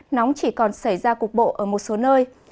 nóng chỉ còn xảy ra cục bộ ở một số nơi